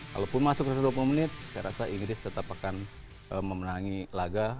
kalaupun masuk satu ratus dua puluh menit saya rasa inggris tetap akan memenangi laga